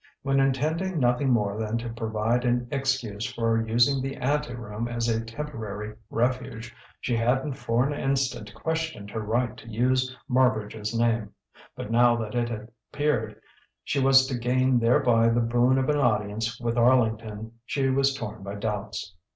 When intending nothing more than to provide an excuse for using the anteroom as a temporary refuge, she hadn't for an instant questioned her right to use Marbridge's name. But now that it appeared she was to gain thereby the boon of an audience with Arlington, she was torn by doubts.